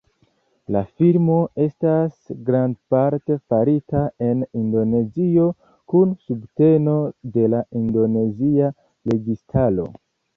La filmo estas grandparte farita en Indonezio, kun subteno de la indonezia registaro.